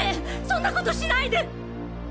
そんな事しないで！